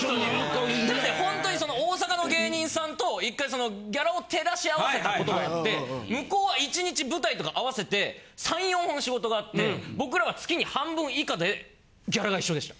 だってほんとにその大阪の芸人さんと一回ギャラを照らし合わせたことがあって向こうは１日舞台とか合わせて３４本仕事があって僕らは月に半分以下でギャラが一緒でした。